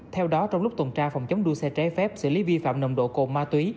theo đó trong lúc tuần tra phòng chống đua xe trái phép xử lý vi phạm nồng độ cồn ma túy